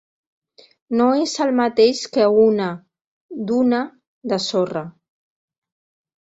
No és el mateix que una duna de sorra.